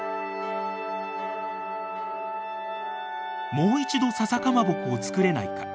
もう一度ささかまぼこを作れないか。